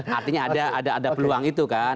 artinya ada peluang itu kan